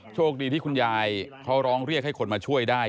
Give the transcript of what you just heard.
โชคดีที่คุณยายเขาร้องเรียกให้คนมาช่วยได้